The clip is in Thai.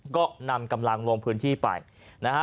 ก็นำกำลังลงพื้นที่ไปนะฮะ